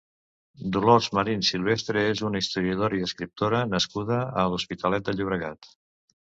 Dolors Marin Silvestre és una historiadora i escriptora nascuda a l'Hospitalet de Llobregat.